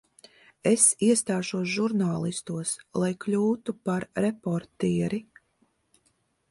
Es iestāšos žurnālistos, lai kļūtu par reportieri.